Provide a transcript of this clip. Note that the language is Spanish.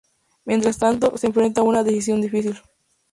Mientras tanto, se enfrenta a una decisión difícil.